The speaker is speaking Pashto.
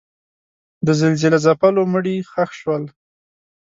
د زلزله ځپلو مړي ښخ شول.